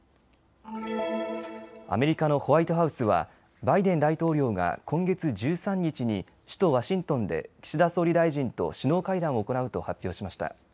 アメリカのホワイトハウスはバイデン大統領が今月１３日に首都ワシントンで岸田総理大臣と首脳会談を行うと発表しました。